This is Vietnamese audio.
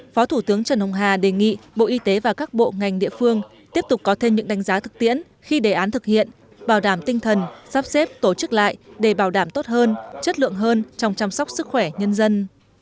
phó thủ tướng trần hồng hà đề nghị bộ y tế và các bộ ngành địa phương tiếp tục có thêm những đánh giá thực tiễn khi đề án thực hiện bảo đảm tinh thần sắp xếp tổ chức lại để bảo đảm tốt hơn chất lượng hơn trong chăm sóc sức khỏe nhân dân